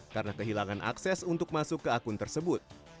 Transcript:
karena kehilangan akses untuk masuk ke akun tersebut